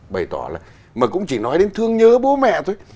bày tỏ là mà cũng chỉ nói đến thương nhớ bố mẹ thôi